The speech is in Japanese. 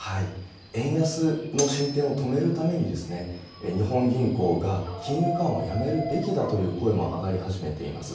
円安の進展を止めるために、日本銀行が、金融緩和をやめるべきだという声も上がり始めています。